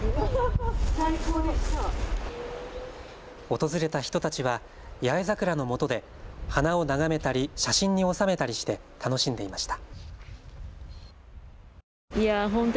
訪れた人たちは八重桜のもとで花を眺めたり写真に収めたりして楽しんでいました。